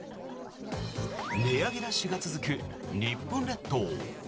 値上げラッシュが続く日本列島。